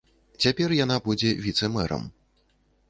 Цяпер яна будзе віцэ-мэрам.